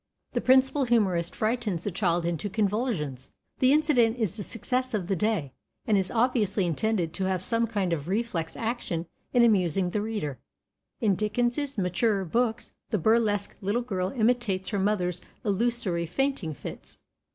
The principal humorist frightens the child into convulsions. The incident is the success of the day, and is obviously intended to have some kind of reflex action in amusing the reader. In Dickens's maturer books the burlesque little girl imitates her mother's illusory fainting fits.